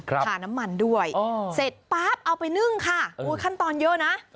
ทาน้ำมันด้วยเสร็จป๊าบเอาไปนึ่งค่ะโอ้ยขั้นตอนเยอะนะ